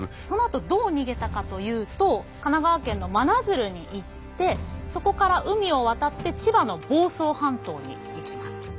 そのあとどう逃げたかというと神奈川県の真鶴に行ってそこから海を渡って千葉の房総半島に行きます。